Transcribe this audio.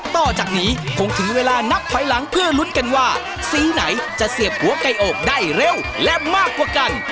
ต่อจากนี้คงถึงเวลานับถอยหลังเพื่อลุ้นกันว่าสีไหนจะเสียบหัวไก่อกได้เร็วและมากกว่ากัน